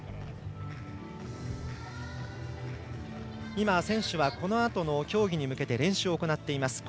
今、選手はこのあとの競技に向けて練習を行っています。